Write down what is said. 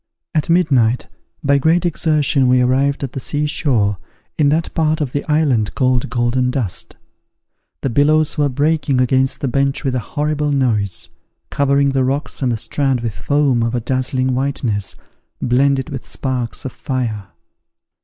At midnight, by great exertion, we arrived at the sea shore, in that part of the island called Golden Dust. The billows were breaking against the bench with a horrible noise, covering the rocks and the strand with foam of a dazzling whiteness, blended with sparks of fire.